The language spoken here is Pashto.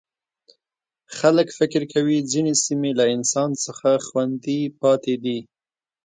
خلک فکر کوي ځینې سیمې له انسان څخه خوندي پاتې دي.